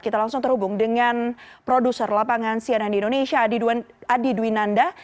kita langsung terhubung dengan produser lapangan cnn indonesia adi dwinanda